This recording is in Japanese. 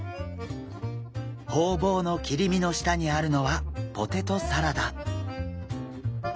ホウボウの切り身の下にあるのはポテトサラダ。